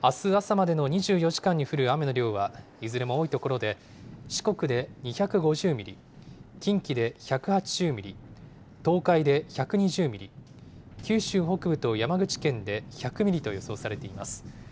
あす朝までの２４時間に降る雨の量は、いずれも多い所で、四国で２５０ミリ、近畿で１８０ミリ、東海で１２０ミリ、九州北部と山口県で１００ミリと予想されています。